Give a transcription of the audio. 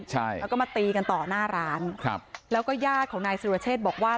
ใช่แล้วก็มาตีกันต่อหน้าร้านครับแล้วก็ญาติของนายสุรเชษบอกว่า